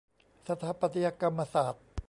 สถาปัตยกรรมศาสตร์